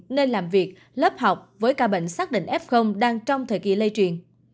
nên làm việc lớp học với ca bệnh xác định f đang trong thời kỳ lây truyền